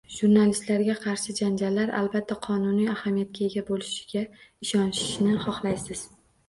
Jurnalistlarga qarshi janjallar, albatta, qonuniy ahamiyatga ega bo'lishiga ishonishni xohlaysiz